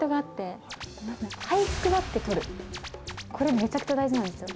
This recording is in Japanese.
これめちゃくちゃ大事なんですよ